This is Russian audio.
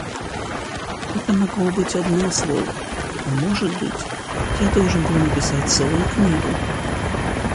Это могло быть одно слово, а может быть, я должен был написать целую книгу.